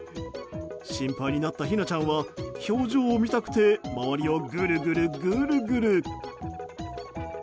心配になった、ひなちゃんは表情を見たくて周りをぐるぐるぐるぐる。